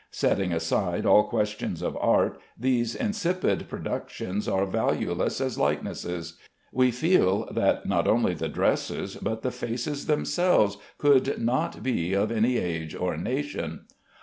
Setting aside all questions of art, these insipid productions are valueless as likenesses. We feel that not only the dresses, but the faces themselves could not be of any age or nation.